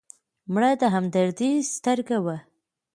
مړه د همدردۍ سترګه وه